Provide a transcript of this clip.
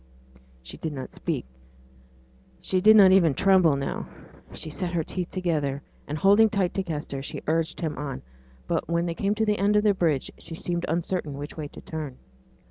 She did not speak; she did not even tremble now; she set her teeth together, and, holding tight by Kester, she urged him on; but when they came to the end of the bridge, she seemed uncertain which way to turn.